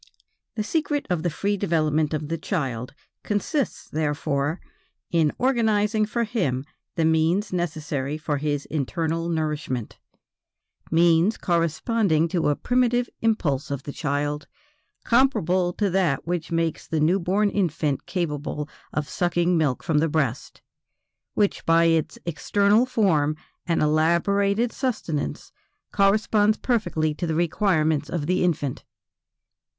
The secret of the free development of the child consists, therefore, in organizing for him the means necessary for his internal nourishment, means corresponding to a primitive impulse of the child, comparable to that which makes the new born infant capable of sucking milk from the breast, which by its external form and elaborated sustenance, corresponds perfectly to the requirements of the infant.